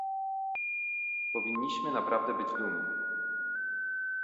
Powinniśmy naprawdę być dumni